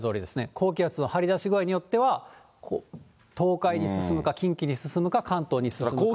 高気圧の張り出し具合によっては、東海に進むか、近畿に進むか、関東に進むか。